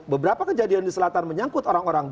beberapa kejadian di selatan menyangkut orang orang